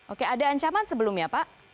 oke ada ancaman sebelumnya pak